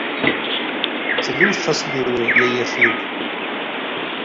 Ці быў шчаслівы яе шлюб?